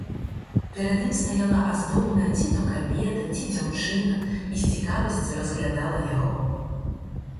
Перад ім стаяла аздобная ці то кабета, ці дзяўчына і з цікавасцю разглядала яго.